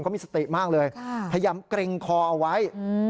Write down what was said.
เขามีสติมากเลยพยายามเกร็งคอเอาไว้